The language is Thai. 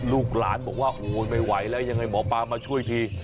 ลูกหลานบอกว่าโอ้ยไม่ไหวแล้วยังไงหมอปลามาช่วยที